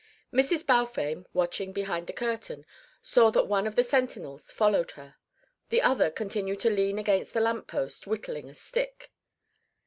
Mrs. Balfame, watching behind the curtain, saw that one of the sentinels followed her. The other continued to lean against the lamp post whittling a stick.